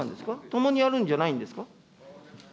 共にやるんじゃないんですか。